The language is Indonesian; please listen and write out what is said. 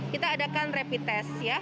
kita adakan rapid test